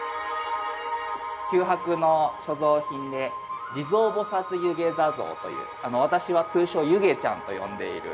九博の所蔵品で地蔵菩遊戯坐像という私は通称ユゲちゃんと呼んでいる。